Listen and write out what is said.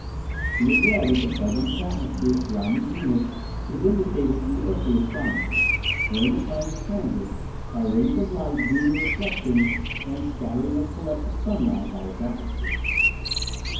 He had read that the presence of atmosphere surrounding Venus is indicated to earthly astronomers, during the planet's transit, by rings of light due to the reflection and scattering of collected sunlight by its atmosphere.